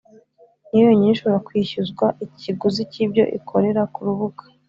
niyo yonyine ishobora kwishyuzwa ikiguzi cy’ibyo ikorera ku rubuga